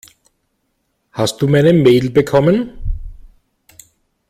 Hast du meine Mail bekommen?